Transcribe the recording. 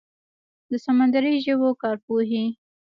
د سمندري ژویو کارپوهې